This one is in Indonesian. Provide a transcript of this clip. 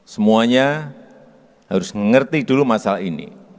semuanya harus mengerti dulu masalah ini